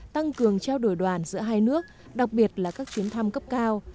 tăng cường trao đổi đoàn giữa hai nước đặc biệt là các chuyến thăm cấp cao